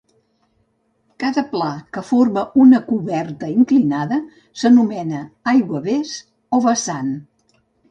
Cada pla que forma una coberta inclinada s'anomena aiguavés o vessant.